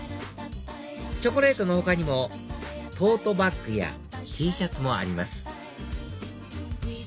チョコレートの他にもトートバッグやＴシャツもあります